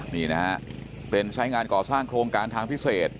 นี่นะฮะเป็นสายงานก่อสร้างโครงการทางพิเศษ